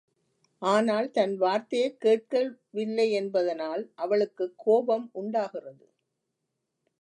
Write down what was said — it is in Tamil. ஆனால் தன் வார்த்தையைக் கேட்கவில்லை என்பதனால் அவளுக்குக் கோபம் உண்டாகிறது.